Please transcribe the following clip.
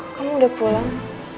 kau udah pulang